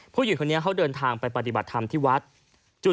ผู้หยุดเขาเดินทางไปปฏิบัติธรรมที่วัสดิ์